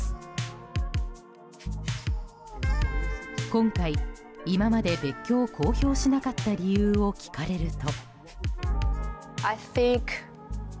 今回、今まで別居を公表しなかった理由を聞かれると。